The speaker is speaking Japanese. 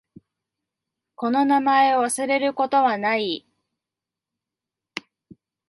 この名前を忘れることはない。